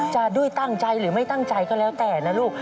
จะด้วยตั้งใจหรือไม่ตั้งใจก็แล้วแต่นะลูก